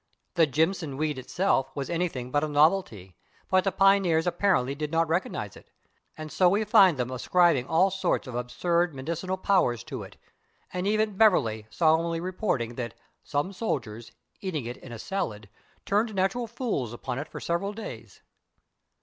The /Jimson weed/ itself was anything but a [Pg046] novelty, but the pioneers apparently did not recognize it, and so we find them ascribing all sorts of absurd medicinal powers to it, and even Beverley solemnly reporting that "some Soldiers, eating it in a Salad, turn'd natural Fools upon it for several Days."